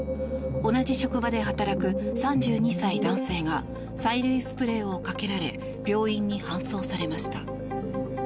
同じ職場で働く３２歳男性が催涙スプレーをかけられ病院に搬送されました。